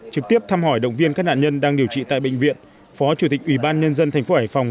trực tiếp thăm hỏi động viên các nạn nhân đang điều trị tại bệnh viện phó chủ tịch ubnd tp hải phòng